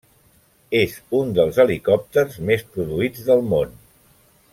És un dels helicòpters més produïts del món.